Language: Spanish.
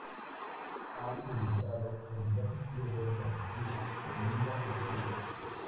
Ha militado en diversos clubes de Argentina, Bolivia y Chile.